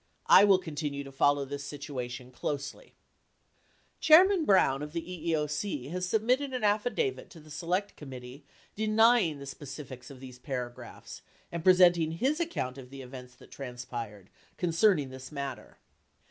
I will continue to follow this situation closely Chairman Brown of the EEOC has submitted an affidavit to the Select Committee 89 denying the specifics of these paragraphs and pre senting his account of the events that transpired concerning this mat ter.